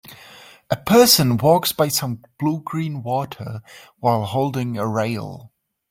A person walks by some bluegreen water while holding a rail.